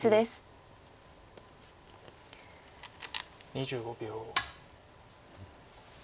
２５秒。